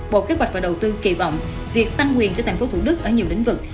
bộ kế hoạch và đầu tư kỳ vọng việc tăng quyền cho tp thủ đức ở nhiều lĩnh vực